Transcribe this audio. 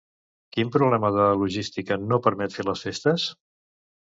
Quin problema de logística no permet fer les festes?